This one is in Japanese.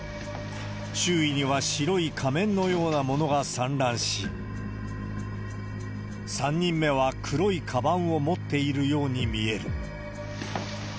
周囲には白い仮面のようなものが散乱し、３人目は、黒いかばんを持っているように見える。